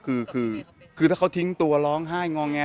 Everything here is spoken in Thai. คือคือถ้าเขาทิ้งตัวร้องไห้งอแง